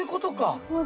なるほど。